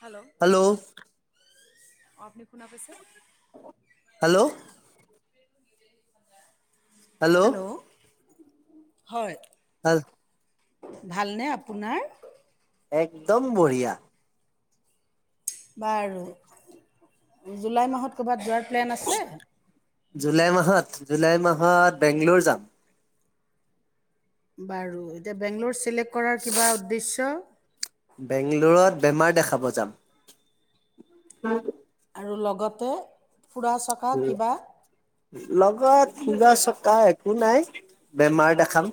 Hello, অ ' আপুনি? কোনে কৈছে? হেল্ল' [inaudible] হেল্ল', হয়। হয়। ভালনে আপোনাৰ? একদম বঢ়িয়া। বাৰু। জুলাই মাহত ক'ৰবাত যোৱাৰ প্লেন আছে? জুলাই মাহত জুলাই মাহত বেংগলোৰ যাম। বাৰু এতিয়া বেংগলৰ চিলেক্ট কৰাৰ কিবা উদ্দেশ্য বেংগলোৰত বেমাৰ দেখাব যাম। উম, আৰু লগতে ফুৰা চকা কিবা? লগত ফুৰা চকা একো নাই, বেমাৰ দেখাম।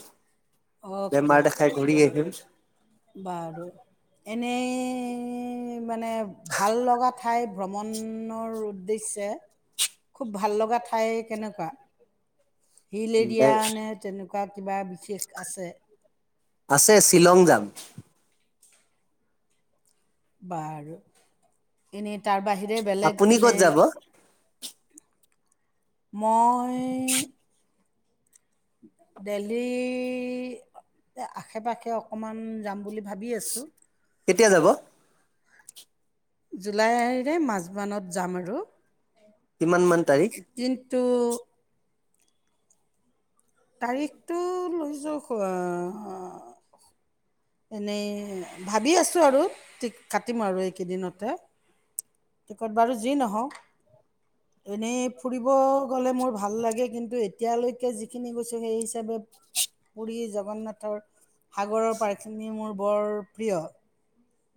অ'কে বেমাৰ দেখাই ঘূৰি আহিম। উ, বাৰু এনেই মানে ভাল লগা ঠাই ভ্ৰমণৰ উদ্দেশ্যে খুব ভাল লগা ঠাই কেনেকুৱা? হিল এৰিয়া নে তেনেকুৱা। থকা কিবা বিশেষ আছে? আছে শ্বিলং যাম। বাৰু এনেই তাৰ বাহিৰে বেলেগ আপুনি ক'ত এনেই যাব মই। দিল্লী আশে -পাশে অকণমান যাম বুলি ভাবি আছোঁ। কেতিয়া যাব? জুলাইৰে মাজমানত নত যাম আৰু। কিমান মান তাৰিখ? তাৰিখ তোৰ? তাৰিখটো লৈ যোৱা এনেই ভাবি আছো আৰু কাটিম আৰু এইকেইদিনতে, টিকট বাৰু যি নহওঁ এনেই ফুৰিব গ'লে মোৰ ভাল লাগে কিন্তু এতিয়ালৈকে যিখিনি গৈছো সেই হিচাপে পুৰি জগন্নাথৰ সাগৰৰ পাৰ্ক খিনি মোৰ বৰ প্ৰিয়।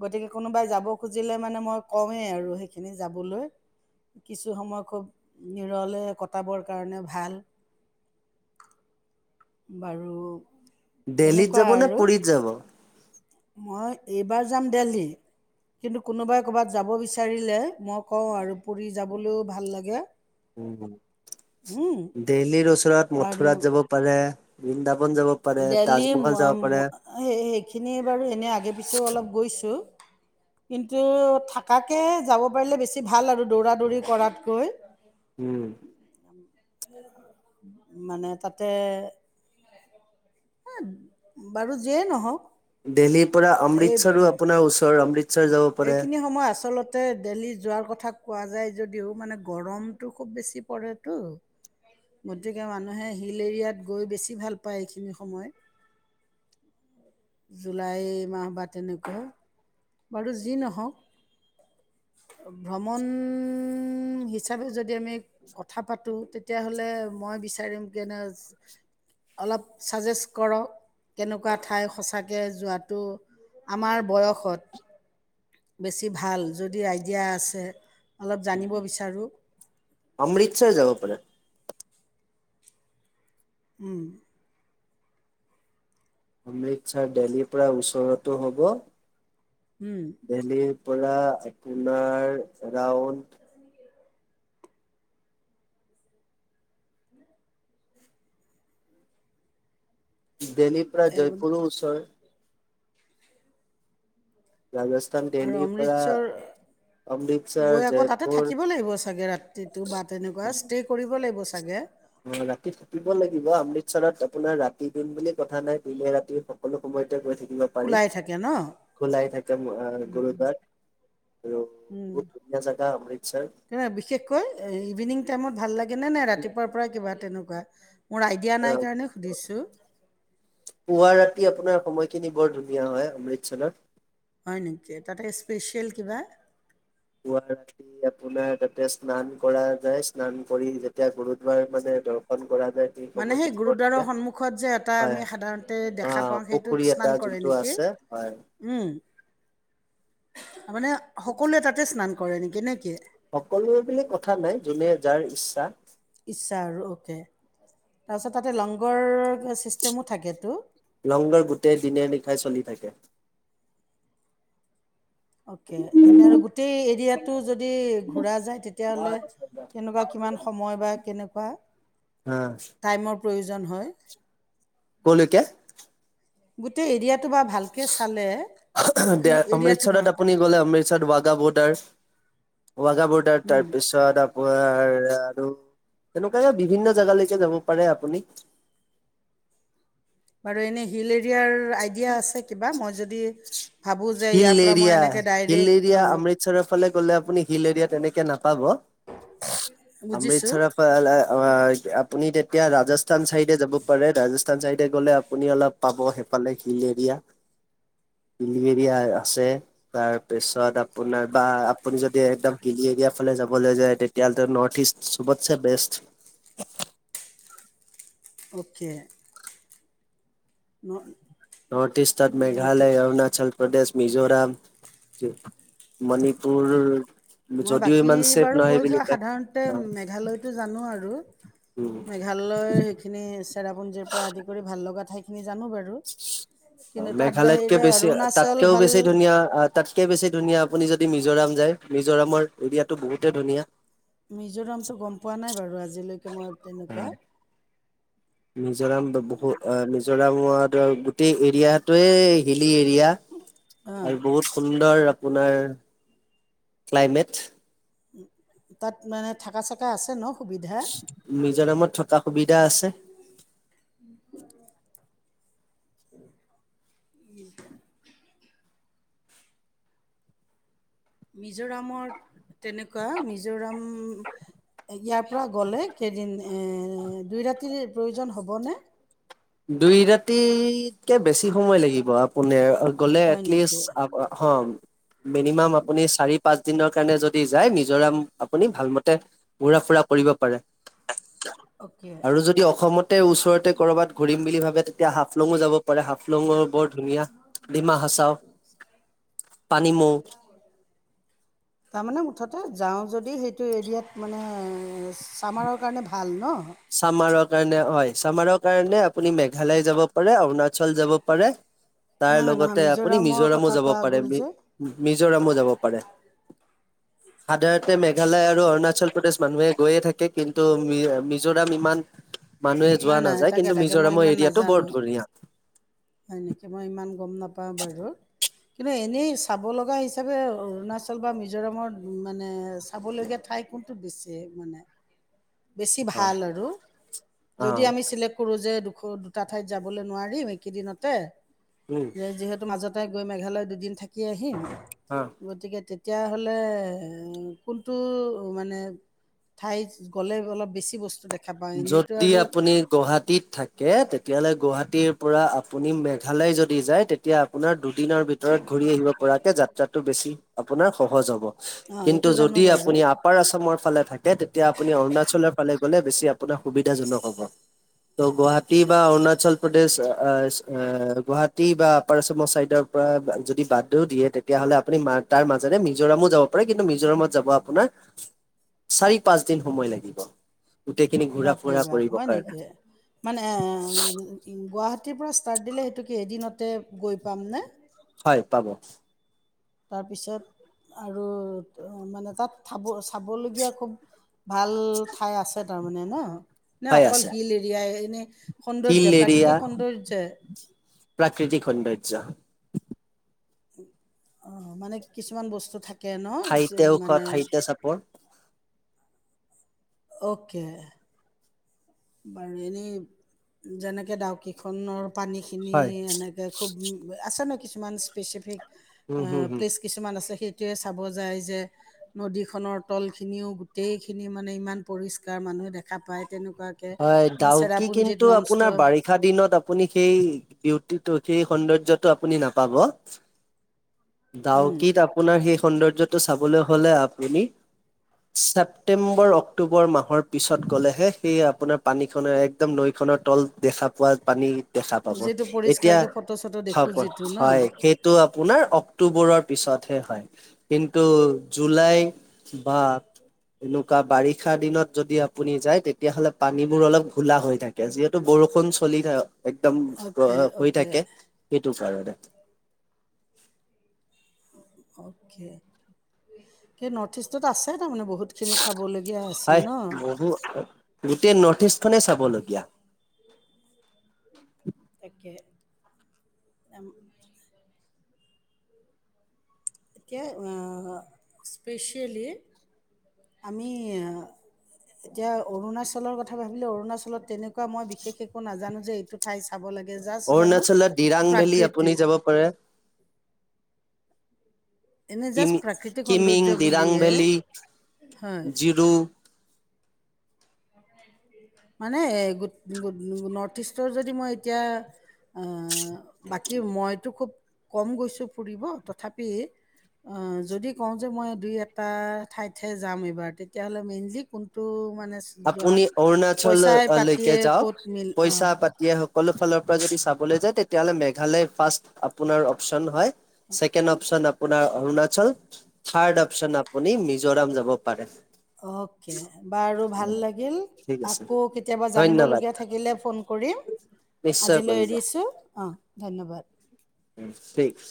গতিকে কোনোবাই যাব খুজিলে মানে মই কওঁৱেই আৰু সেইখিনি যাবলৈ কিছু সময় খুব নিৰলে কটাবৰ কাৰণে ভাল বাৰু দেল্লীত তেনেকুৱা যাব নে আৰু পুৰীত যাব মই এইবাৰ যাম দেলহি কিন্তু কোনোবাই ক'ৰবাত যাব বিচাৰিলে মই কওঁ আৰু পুৰি যাবলৈও ভাল লাগে দিল্লী ওচ মচৰাত মথুৰাত যাব পাৰে বিন্দাবন দিল্লীৰ সেইখিনি বাৰু এনে আগে পিছেও অলপ গৈছো কিন্তু থকাকে যাব পাৰিলে বেছি ভাল আৰু দৌৰা দৌৰি কৰাতকৈ উম মানে তাতে এ বাৰু যিয়ে নহওক দেল্লীহিৰ পৰা এই অমৃতসৰো আপোনাৰ ওচৰৰ অমৃতৰ এইখিনি সময় আচলতে দেল্হি যোৱাৰ কথা দেলহি কথা কোৱা যায় যদিও গৰমতো বেছি পৰে তো গতিকে মানুহে হিল এৰিয়াত গৈ বেছি ভাল পায় এইখিনি সময়ত জুলাই মাহ বা তেনেকুৱা বাৰু যি নহওক ভ্ৰমণ হিচাপে যদি আমি কথা পাতোঁ তেতিয়াহ'লে মই বিচাৰিম কেনে অলপ ছাজেষ্ট কৰক কেনেকুৱা ঠাই সঁচাকৈ যোৱাটো আমাৰ বয়সত বেছি ভাল যদি আইডিয়া আছে অলপ জানিব বিচাৰোঁ অমৃতসৰ যাব পাৰে উম অমৃতসৰ দেহল্লীৰ পৰা ওচৰতো হ'ব। উম, দেলহি পৰা আপোনাৰ এৰাউণ্ড দিল্লীৰ পৰা এ- জয়পুৰৰ ওচৰ ৰাজস্থান আৰু দেলহিৰ পৰা অমৃতসৰ অমৃতসৰ গৈ আকৌ তাতে জয়পুৰ থাকিব লাগিব চাগে ৰাতিটো বা তেনেকুৱা ষ্টে' কৰিব লাগিব চাগে অ ৰাতি থাকিব লাগিব আমি চৰত আপোনাৰ ৰাতি দিন বুলি কথা নাই দিনে ৰাতি সকলো সময়ত গৈ থাকিব পাৰি খোলাই থাকে ন খোলাই থাকে গুৰু্বাৰ আৰু উম, বহুত ধুনীয়া জেগা অমৃতসৰ। তেনে খালে নাই ৰাতিপুৱাৰ পৰা কিবা তেৰেনট। নাই। অ কাৰণে সুধিছোঁ পুৱা ৰাতি আপোনাৰ সময়। খিনি বৰ ধুনীয়া হয় অমৃতসৰত। হয় নেকি তাতে স্পেচিয়েল কিবা পুৱা ৰাতি আপোনাৰ তাতে স্নান কৰা যায় স্নান কৰি যেতিয়া গুৰু দুৱাৰ মানে দৰ্শন। কৰা যায় মানে সেই সময়খিনি বৰ গুৰুদ্বাৰৰ ধুনীয়া সন্মুখত যে এটা হয় আমি সাধাৰণতে অ দেখা পাওঁ পুখুৰী সেইটোত এটা স্নান কৰে যোনটো নেকি? আছে হয় তাৰমানে সকলোৱে তাতে স্নান কৰে। কৰে নেকি নে কি। সকলো বিলাক কথা নাই যোনে যাৰ ইচ্ছা। ইচ্ছা আৰু অ'কে তাৰপিছত তাতে লংগৰ। ছিষ্টেমো থাকেতো লংগৰ গোটেই দিনে নিশাই চলি থাকে। অকে এনে আৰু গোটেই এৰিয়াটো যদি। ঘূৰা যায় তেতিয়াহ'লে কেনেকুৱা কিমান সময় বা কেনেকুৱা হা টাইমৰ। প্ৰয়োজন হয়। ক'লকে। গোটেই এৰিয়াত। দে ফিৰি- এৰিয়াটো অমৃতসৰত আপুনি গ'লে অমৃতসৰত ব। গগা বৰ্ডাৰ। ৱাগ বৰ্ডাৰ উম তাৰপিছত। আৰু এনেকুৱাই বিভিন্ন জেগালৈকে যাব পাৰে আপুনি। মাৰু এনে হিলে। য় আইডিয়া আছে কিবা মই যদি ভাবোঁ যে হিল ইয়াৰ পৰা মই এৰিয়া এনেকৈ হিল ডাইৰেক্ট। এৰিয়া কে পাব বুজিছোঁ অমৃতসৰ। আপুনি তেতিয়া ৰাজস্থান চাইডে যাব পাৰে ৰাজস্থান চাইডে গ'লে। আপুনি অলপ পাব। হিল এৰিয়া হিল এৰিয়া আছে তাৰপিছত আপোনাৰ বা আপুনি যদি একদম হিলী এৰিয়া ফালে যাবলৈ যায় তেতিয়াহলে নৰ্থ ইষ্ট চবতছে বেষ্ট। অ'কে না। নৰ্থ ইষ্ট তাত মেঘালয় অৰুণাচল। উ্ত প্ৰদেশ মিজোৰাম মণিপুৰ। মই যদিও বাকী ইমান ছেফ বাৰু নহয় গৈ বুলি পোৱা কয়। সাধাৰণতে মেঘালয়টো জানো আৰু উম, মেঘালয় সেইখিনি চেৰাপুঞ্জীৰ পৰা আদি কৰি ভাল লগা থ। তাত মেঘালয়তকে বাহিৰে বেছি অৰুণাচল তাতকেও ভাল বেছি ধুনীয়া আহ তাতকে বেছি ধুনীয়া। আপুনি যদি মিজোৰাম যায়, মিজোৰামৰ এৰিয়াতটো বহুতে ধুনীয়া। মিজোৰামটো গম পোৱা নাই বাৰু আজিলৈকে মই তেনেকুৱা। মিজোৰাম বহুত মিজোৰামত গোটেই এৰিয়াটয়ে হ এৰিয়া অঁ আৰু বহুত সুন্দৰ। আপোনাৰ ক্লাইমেট। উ তাত মানে থাককা চকা আছে ন? সুবিধা নিজৰ নামত থকা সুবিধা আছে। উ [unintelligible] মিজোৰামত তেনেকুৱা মিজোৰাম ইয়াৰ পৰা গ'লে কেইদিন দুই ৰাতিৰ প্ৰয়োজন হ'বনে? দুই ৰাতিতকে বেছি সময় লাগিব আপোনাৰ। গ'লে হয় নেকি এটলিষ্ট। মিনিমাম আপুনি চাৰি পাঁচ দিনৰ কাৰণে যদি যায়, নিজৰাম আপুনি ভাল মতে ঘুৰা ফুৰা কৰিব পাৰে। অ'কে আৰু যদি অসমতে ওচৰতে কৰবাত। ভাবে তেতিয়া হাফলঙো যাব। হাফলঙৰ বৰ ধুনীয়া ডিমা হাচাও পানী মৌ। এইটো এৰিয়াত মানে। চামাৰৰ কাৰণে ভাল ন? ছামাৰৰ কাৰণে হয়, ছামাৰৰ কাৰণ আপুনি মেঘালয় যাব পাৰে অৰুণাচল যাব পাৰে। তাৰ নহয় নহয় লগতে আপুনি মিজোৰামৰ মিজোৰামো কথা যাব কোৱা পাৰে গ'ল মি। যে মিজোৰাম যাব পাৰে, সাধাৰতে মেঘালয় আৰু অৰুণাচল প্ৰদেশ মানুহে গৈয়ে থাকে কিন্তু। মিজোৰাম ইমান। মানুহে যোৱা নাই নাই নাযায় তাকে কিন্তু তাকে মই মিজোৰামৰ ইমান এৰিয়াটো বৰ নাজানো, ধুনীয়া সনেকে মই ইমান গম নাপাও। হয় বাৰু কিন্তু এনেই চাব লগা হিচাপে অৰুণাচল বা মিজোৰামত মানে চাবলগীয়া ঠাই কোনটো বেছি মানে। বেছি অ ভাল আৰু যদি আমি চিলেক্ট কৰো যে। দুটা ঠাইত যাবলৈ নোৱাৰিম, একেইদিনতে। উম যিহেতু মাজত। তাই গৈ মেঘালয় দুদিন থাকে, থাকি আহিম অ গতিকে তে। তেতিয়াহ'লে কোনটো মানে ঠাই। গ'লে অলপ বেছি বস্তু দেখেব। যদি আপুনি গুৱাহাটীত থাকে তেতিয়াহলে গুৱাহাটীত। ৰাতিপৰা আপুনি মেঘালয় যদি যায় তেতিয়া আপোনাৰ দুদিনৰ ভিতৰত ঘূৰি আহিব পৰাকে যাত্ৰাটো বেছি আপোনাৰ সহজ হ'ব। অঁ কিন্তু এইটো জানো যদি বাৰু আপুনি আপাৰ আছৰ ফালে থাকে, তেতিয়া আপুনি অৰুণাচলৰ ফালে গ'লে। বেছি আপুনি আপোনাৰ সুবিধাজনক হ'ব ত' গুৱাহাটী বা অৰুণাচল প্ৰদেশ গুৱাহাটী বা আাৰচমৰ চাইডৰ পৰা যদি বাদও দিয়ে তেতিয়াাহ'লে আপুনি তাৰ মাজেৰে মিজোৰামো যাব পাৰে কিন্তু মিজোৰামত যাব আপোনাৰ চাৰি পাঁচ দিন সময় লাগিব গোটেইখিনি ঘূৰা বাপৰে ফুৰা বাপ কৰিবৰ হয় কাৰণে নেকি মানে গুৱাহাটী ৰাতিপা ষ্টাৰ্ট দিলে সেইটোকে এদিনতে গৈ পামনে হয় পাব তাৰপিছত আৰু মানে তাত থাব চাবলগীয়া খুব ভাল ঠাই আছে তাৰ মানে ন ন হয় অকল আছে হিল এৰিয়াাই এনে উ হিল এৰিয়া প্ৰাকৃতিক সৌন্দৰ্য মানে কিছু মান বস্তু থ ঠাইতে ওখ ঠাইতে চাপোন অ'কে বাৰু এনেই যেনেকে ডাউকেইখনৰ পানীখিনি হয় এনেকে খুব আছে নক কিছুমান স্পেচিফিক উম অ হম হম প্লেছ কিছুমান আছে সেই তেতিয়ে চাব যায় যে নদীখনৰ তল খিনিও গোটেই খিনি মানে ইমান পৰিষ্কাৰ মানুহে দেখা পায় তেনেকুৱা হয় ডাউক কিন্তু আপোনাৰ বাৰিষা দিনত আপুনি সেই ডউটি ত সেই সৌন্দৰ্যটো আপুনি নাপাব। উম, ডাউকত আপোনাৰ সেইষ সৌন্দৰ্যতটো চাবলৈ হ'লে আপুনি ছেপ্তেম্বৰ অক্টোবৰ মাহৰ পিছত গ'লেহে সেই আপোনাৰ পানীখনৰ একদম নৈখনৰ তল দেখা পোৱা পানী দেখা পাব যিটো এতিয়া পৰিষ্কাৰকে ফটো চটো দেখোঁ যিটো ন হয় সেইটো আপোনাৰ অক্টোবৰৰ পিছতহে হয় কিন্তু জুলাই বা এনেকুৱা বাৰিষা দিনত যদি আপুনি যায় তেতিয়াহ'লে পানীবোৰ অলপ ঘোলা হৈ থাকে যিহেতু বৰষুণ চলি থ একদম অ'কে হৈ অ'কে থাকে সেইটো কাৰণে [inaudible] অ'কে কি নৰ্থ ইষ্টত আছে তাৰমানে বহুতখিনি চাবলগীয়া আছে হয় ন বহু গোটেই নৰ্থ ইষ্ট খনে চাবলগীয়া। তাকে এতিয়া স্পেচিয়েলি আমি এতিয়া অৰুণাচলৰ কথা ভাবিলে অৰুণাচলত তেনেকুৱা মই বিশেষ একো নাজানো যে এইটো ঠাই চাব লাগে জাষ্ট জানো অৰুণাচলত ডিৰাং ভেলি আপুনি প্ৰাকৃতিক যাব পাৰে এনে কি জাষ্ট প্ৰাকৃতিক কিমিং সৌন্দৰ্য দৰাং বুলিয়ে ভেলি হয় জিৰো মানে নৰ্থ ইষ্টৰ যদি মই এতিয়া বাকী মইতো খুব কম গৈছো ফুৰিব তথাপি যদি কওঁ যে মই দুই এটা ঠাইতহে যাম এইবাৰ তেতিয়াহলে মেইনলি কোনটো মানে যোৱা আপুনি অৰুণাচল পইচাই ললৈকে পাতিয়ে ক'ত যাওক মিল অঁ পইচা পাতিয়ে হওক সকলো ফালৰ পৰা যদি চাবলৈ যায় তেতিয়াহ'লে মেঘালয় ফাৰ্ষ্ট আপোনাৰ অপচন হয় ছেকেণ্ড অপচন আপোনাৰ অৰুণাচল থাৰ্ড অপশন আপুনি ম জোৰাম যাব পাৰে অকে বাৰু ভাল লাগিল ঠিক আছে আকৌ কেতিয়াবা ধন্যবাদ জানিবলগীয়া থাকিলে ফোন কৰিম নিশ্চয় আজিলৈ কৰিব এৰিছোঁ অঁ ধন্যবাদ ছিক্স